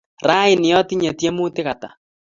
Rani otinye tyemuti ata?